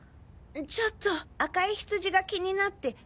ちょっと赤いヒツジが気になって。